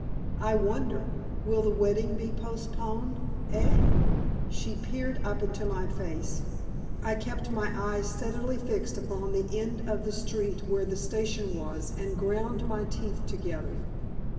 I wonder, will the wedding be postponed? Eh?" She peered up into my face. I kept my eyes steadily fixed upon the end of the street where the station was, and ground my teeth together.